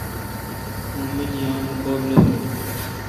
مہ مل یان، بب لو دو°م۔